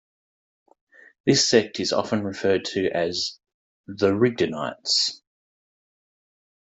This sect is often referred to as the Rigdonites.